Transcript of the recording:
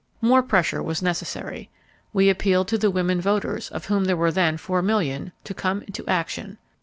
More pressure was necessary. We appealed to the women voters, of whom there were then four million, to come into action.